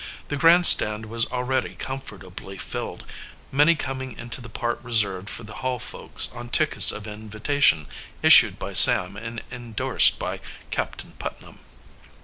The grandstand was already comfortably filled, many coming into the part reserved for the Hall folks on tickets of invitation issued by Sam and indorsed by Captain Putnam.